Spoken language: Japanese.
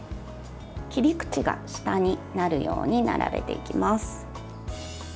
切り口が下になるように並べていきます。